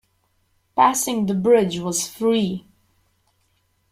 Passing the bridge was free.